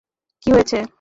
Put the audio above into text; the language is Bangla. কী হয়েছে?